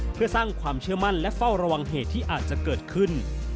เพื่อสร้างความเชื่อมั่นและเฝ้าระวังเหตุที่อาจจะเกิดขึ้น